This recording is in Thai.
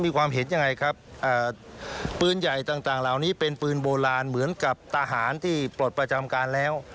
มีความเห็นยังไงครับปืนใหญ่ต่างเหล่านี้เป็นปืนโบราณเหมือนกับทหารที่ปลดประจำการแล้ว